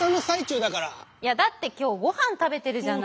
いやだって今日ごはん食べてるじゃない。